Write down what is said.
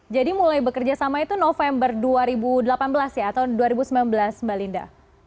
jadi mulai bekerja sama itu november dua ribu delapan belas ya atau dua ribu sembilan belas mbak linda